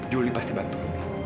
julie pasti bantu